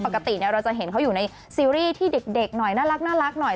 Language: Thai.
ปกติเราจะเห็นเขาอยู่ในซีรีส์ที่เด็กหน่อยน่ารักหน่อย